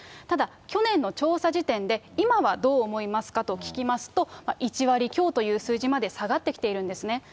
ただ、去年の調査時点で、今はどう思いますかと聞きますと、１割強という数字まで下がってきているんですね。